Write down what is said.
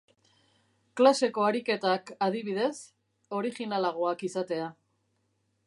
Klaseko ariketak, adibidez, originalagoak izatea.